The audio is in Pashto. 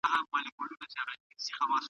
هره شپه به وي خپړي په نوکرځو